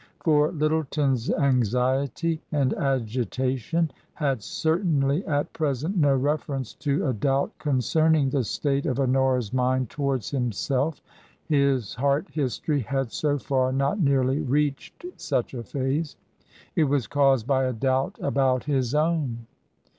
For Lyttle ton*s anxiety and agitation had certainly at present no reference to a doubt concerning the state of Honora's mind towards himself — ^his heart history had so fer not nearly reached such a phase — it was caused by a doubt about his own.